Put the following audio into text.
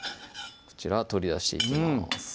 こちら取り出していきます